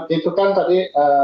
itu kan tadi